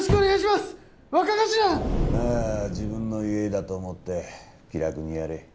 まあ自分の家だと思って気楽にやれ。